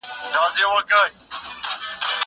هغه څوک چي درسونه لوستل کوي پوهه زياتوي!!